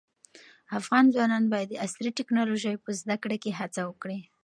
افغان ځوانان باید د عصري ټیکنالوژۍ په زده کړه کې هڅه وکړي.